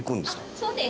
そうです。